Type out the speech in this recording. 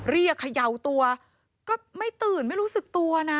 เขย่าตัวก็ไม่ตื่นไม่รู้สึกตัวนะ